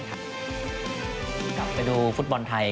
กลับไปดูฟุตบอลไทย